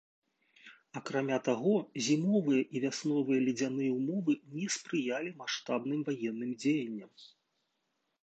Акрамя таго, зімовыя і вясновыя ледзяныя ўмовы не спрыялі маштабным ваенным дзеянням.